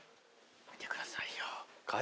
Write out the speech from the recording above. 見てくださいよ。